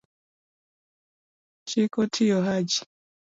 chik otiyo Haji